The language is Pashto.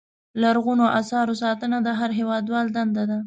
لرغونو اثارو ساتنه د هر هېوادوال دنده ده.